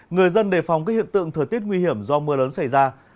người dân đề phòng các hiện tượng thời tiết nguy hiểm do mưa lớn xảy ra